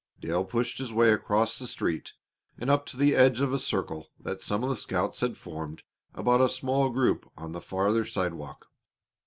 Dale pushed his way across the street and up to the edge of a circle that some of the scouts had formed about a small group on the farther sidewalk.